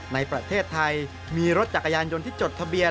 ในประเทศไทยมีรถจักรยานยนต์ที่จดทะเบียน